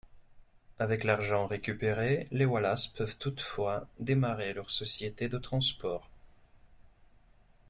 Avec l'argent récupéré, les Wallace peuvent toutefois démarrer leur société de transport.